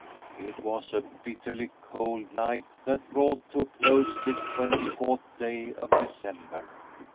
It was a bitterly cold night that brought to a close this twenty fourth day of December.